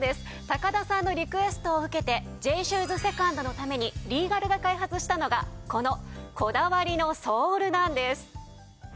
高田さんのリクエストを受けて Ｊ シューズ ２ｎｄ のためにリーガルが開発したのがこのこだわりのソールなんです